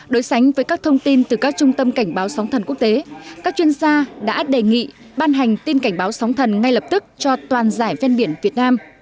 đối sánh với các thông tin từ các trung tâm cảnh báo sóng thần quốc tế các chuyên gia đã đề nghị ban hành tin cảnh báo sóng thần ngay lập tức cho toàn giải ven biển việt nam